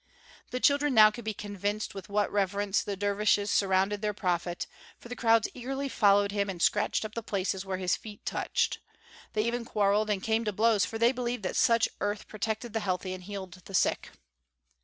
The children now could be convinced with what reverence the dervishes surrounded their prophet, for crowds eagerly followed him and scratched up the places which his feet touched. They even quarreled and came to blows for they believed that such earth protected the healthy and healed the sick.